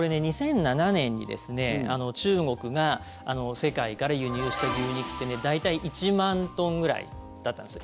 ２００７年に中国が世界から輸入した牛肉って大体１万トンぐらいだったんです